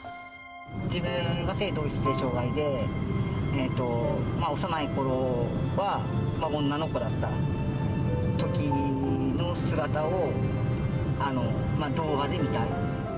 自分は性同一性障害で、幼いころは女の子だったときの姿を動画で見たい。